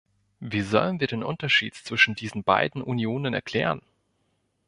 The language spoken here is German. Wie sollen wir den Unterschied zwischen diesen beiden Unionen erklären?